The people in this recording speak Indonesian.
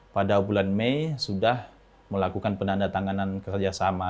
pada bulan mei sudah melakukan penandatanganan kerjasama